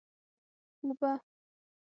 اوبه!